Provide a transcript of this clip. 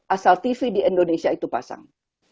asal tv di indonesia itu pasang